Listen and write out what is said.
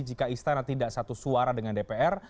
jika istana tidak satu suara dengan dpr